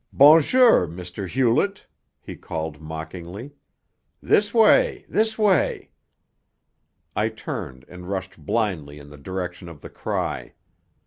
"Bonjour, M. Hewlett!" he called mockingly. "This way! This way!" I turned and rushed blindly in the direction of the cry.